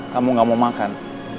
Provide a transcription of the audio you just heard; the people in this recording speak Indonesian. kamu nggak mau makan